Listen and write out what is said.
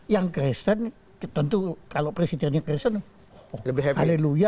yang kristen tentu kalau presidennya kristen alelui